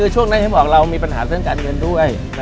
ช่วงนั้นให้บอกเรามีปัญหาเส้นการเงินด้วย